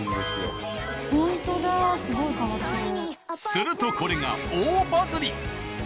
するとこれが大バズリ！